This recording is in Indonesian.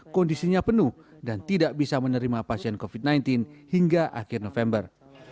kondisinya penuh dan tidak bisa menerima pasien covid sembilan belas hingga akhir november